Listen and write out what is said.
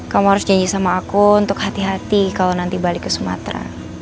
kamu harus janji sama aku untuk hati hati kalau nanti balik ke sumatera